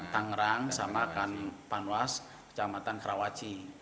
tangerang sama kan panwas kecamatan karawaci